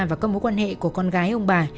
và các mối quan hệ của con gái ông bà